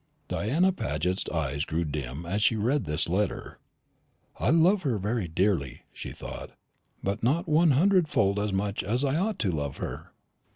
Diana Paget's eyes grew dim as she read this letter. "I love her very dearly," she thought, "but not one hundred fold as much as I ought to love her."